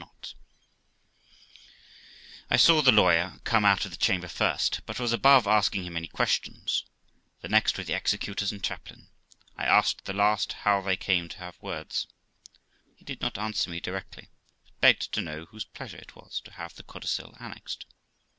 THE LIFE OF ROXANA 423 I saw the lawyer come out of the chamber first, but was above asking him any questions ; the next were the executors and chaplain. I asked the last how they came to have words. He did not answer me directly, but begged to know whose pleasure it was to have the codicil annexed.